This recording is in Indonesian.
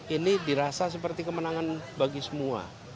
ini dirasa seperti kemenangan bagi semua